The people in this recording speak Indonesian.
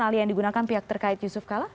ahli yang digunakan pihak terkait yusuf kala